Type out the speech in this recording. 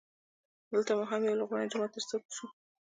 دلته مو هم یولرغونی جومات تر ستر ګو سو.